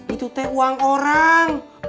itu teh uang orang